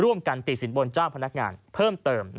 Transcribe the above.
ร่วมกันติดสินบนเจ้าพนักงานเพิ่มเติมนะครับ